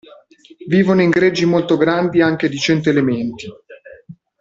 Vivono in greggi molto grandi anche di cento elementi.